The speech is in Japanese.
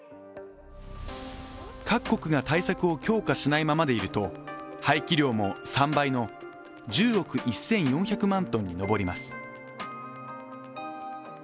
各国が対策を強化しないままでいると廃棄量も３倍の１０億１４００万トンに上ります。